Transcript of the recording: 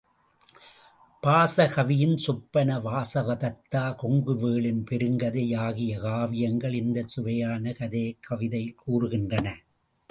பாஸ கவியின் சொப்பன வாசவதத்தா, கொங்குவேளின் பெருங்கதை ஆகிய காவியங்கள் இந்தச் சுவையான கதையைக் கவிதையில் கூறுகின்றன.